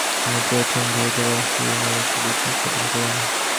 তিনি প্রথম ভৌত-রাসায়নিক পদ্ধতির বিকাশ সাধন করেন।